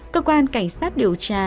cơ quan cảnh sát điều tra